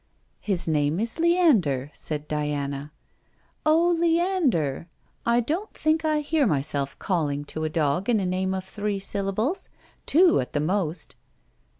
'His name is Leander,' said Diana. 'Oh, Leander. I don't think I hear myself calling to a dog in a name of three syllables. Two at the most.'